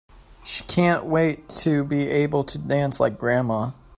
She can't wait to be able to dance like grandma!